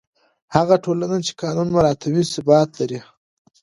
هغه ټولنه چې قانون مراعتوي، ثبات لري.